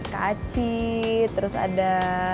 kak aci terus ada